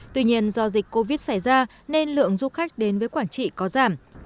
tuy nhiên do dịch covid xảy ra nên lượng du khách đến với quảng trị có giảm